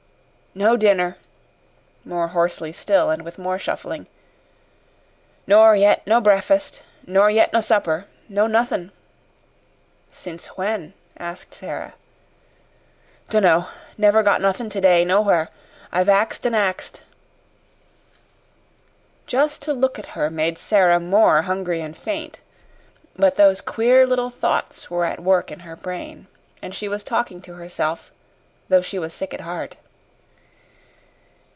"No dinner," more hoarsely still and with more shuffling. "Nor yet no bre'fast nor yet no supper. No nothin'. "Since when?" asked Sara. "Dunno. Never got nothin' today nowhere. I've axed an' axed." Just to look at her made Sara more hungry and faint. But those queer little thoughts were at work in her brain, and she was talking to herself, though she was sick at heart.